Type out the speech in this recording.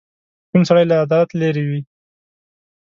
کوږ سړی له عدالت لیرې وي